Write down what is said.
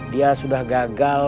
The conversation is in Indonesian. dia sudah gagal